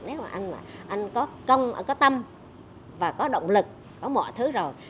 nếu mà anh có công anh có tâm và có động lực có mọi thứ rồi